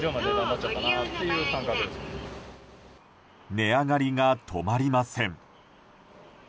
値上がりが止まりません。